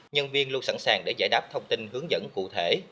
nhân viên luôn sẵn sàng để giải đáp thông tin hướng dẫn cụ thể